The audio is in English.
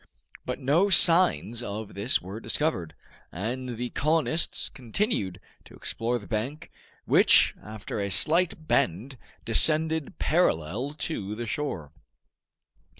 But no signs of this were discovered, and the colonists continued to explore the bank, which, after a slight bend, descended parallel to the shore.